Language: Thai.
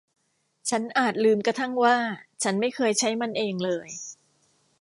ฉันอาจลืมกระทั่งว่าฉันไม่เคยใช้มันเองเลย